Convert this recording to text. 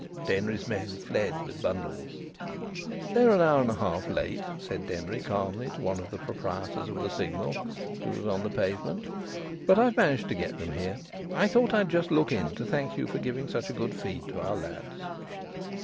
Denry's men fled with bundles. "They're an hour and a half late," said Denry calmly to one of the proprietors of the Signal, who was on the pavement. "But I've managed to get them here. I thought I'd just look in to thank you for giving such a good feed to our lads."